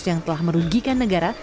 yang merugikan negara